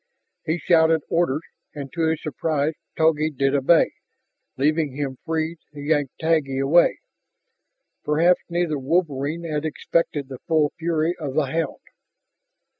He shouted orders, and to his surprise Togi did obey, leaving him free to yank Taggi away. Perhaps neither wolverine had expected the full fury of the hound.